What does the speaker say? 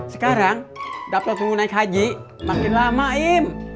sekarang daftar pengguna ik haji makin lama im